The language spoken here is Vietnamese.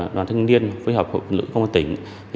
đoàn thanh niên phối hợp hội phụ nữ công an tỉnh